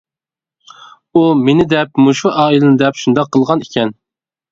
ئۇ مېنى دەپ مۇشۇ ئائىلىنى دەپ شۇنداق قىلغان ئىكەن.